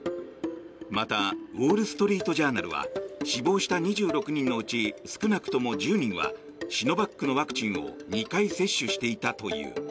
また、ウォール・ストリート・ジャーナルは死亡した２６人のうち少なくとも１０人はシノバックのワクチンを２回接種していたという。